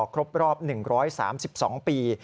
ครบรอบ๑๓๒ปี